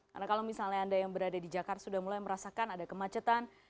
karena kalau misalnya anda yang berada di jakarta sudah mulai merasakan ada kemacetan